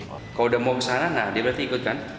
oh kalau udah mau kesana nah dia berarti ikut kan